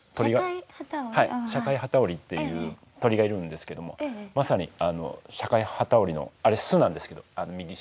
はいシャカイハタオリっていう鳥がいるんですけどもまさにあのシャカイハタオリのあれ巣なんですけど右下。